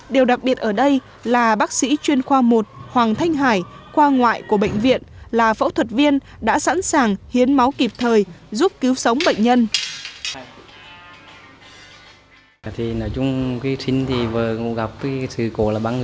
điều đặc biệt ở đây là bác sĩ chuyên khoa một hoàng thanh hải khoa ngoại của bệnh viện là phẫu thuật viên đã sẵn sàng hiến máu kịp thời giúp cứu sống bệnh nhân